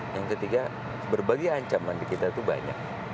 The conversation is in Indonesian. yang ketiga berbagai ancaman di kita itu banyak